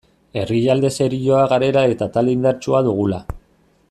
Herrialde serioa garela eta talde indartsua dugula.